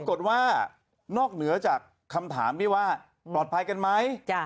บอกว่านอกเหนือจากคำถามที่ว่าปลอดภัยกันไหม